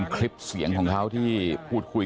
คลิปเสียงของเขาที่พูดคุย